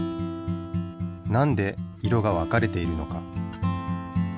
なんで色が分かれているのか？